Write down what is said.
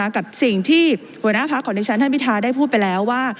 กับสิ่งที่หัวหน้าภาคของนิชย์อธิมิธาได้พูดไปแล้วว่า